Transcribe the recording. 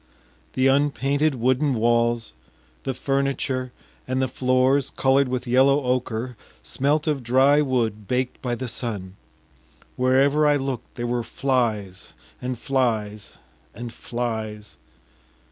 The unpainted wooden walls, the furniture, and the floors colored with yellow ocher smelt of dry wood baked by the sun. Wherever I looked there were flies and flies and flies....